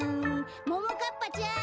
・ももかっぱちゃん